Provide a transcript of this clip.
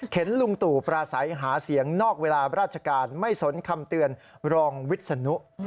ลุงตู่ปราศัยหาเสียงนอกเวลาราชการไม่สนคำเตือนรองวิศนุ